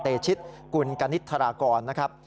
เทชิตคุณกานิทรากรนะครับ